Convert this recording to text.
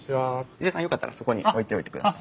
伊勢さんよかったらそこに置いておいてください。